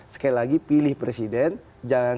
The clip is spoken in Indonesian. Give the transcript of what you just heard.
sekali lagi pilih presiden jangan